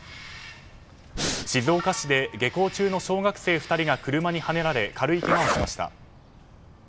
静岡市で下校中の小学生２人が車にはねられ軽いけがをしました。